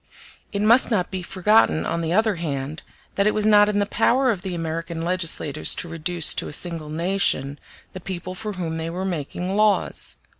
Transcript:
It must not be forgotten, on the other hand, that it was not in the power of the American legislators to reduce to a single nation the people for whom they were making laws.